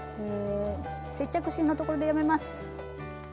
接着芯のところでやめます。